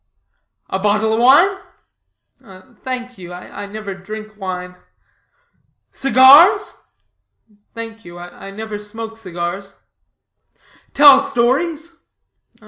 "A bottle of wine?" "Thank you, I never drink wine." "Cigars?" "Thank you, I never smoke cigars." "Tell stories?"